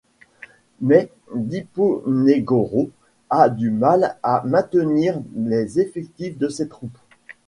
Mais Diponegoro a du mal à maintenir les effectifs de ses troupes.